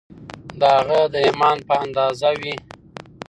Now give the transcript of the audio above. د هغه د ایمان په اندازه وي